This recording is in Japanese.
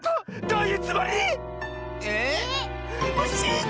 ⁉どういうつもり⁉えっ？